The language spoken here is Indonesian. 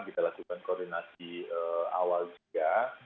kita lakukan koordinasi awal juga